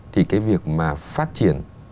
thì cái việc mà phát triển